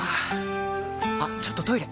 あっちょっとトイレ！